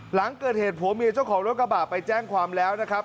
หลังเกิดเหตุผัวเมียเจ้าของรถกระบะไปแจ้งความแล้วนะครับ